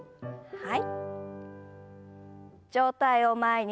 はい。